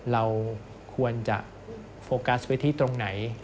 เราควรจะโฟกัสไว้ที่ตรงไหน